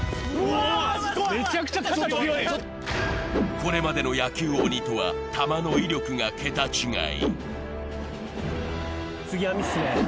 これまでの野球鬼とは球の威力が桁違い。